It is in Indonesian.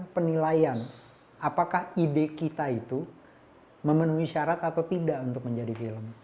penilaian apakah ide kita itu memenuhi syarat atau tidak untuk menjadi film